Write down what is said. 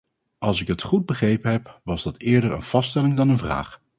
Als ik het goed begrepen heb was dat eerder een vaststelling dan een vraag.